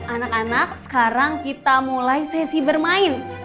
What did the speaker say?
anak anak sekarang kita mulai sesi bermain